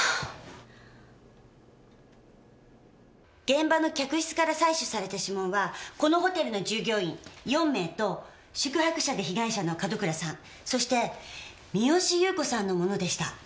現場の客室から採取された指紋はこのホテルの従業員４名と宿泊者で被害者の門倉さんそして三好裕子さんのものでした。